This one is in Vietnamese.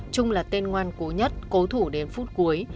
trung là tên ngoan cố nhất cố thủ đến phút cuối